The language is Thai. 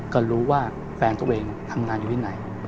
ก็รู้ว่าแฟนตัวเองทำงานอยู่ที่ไหน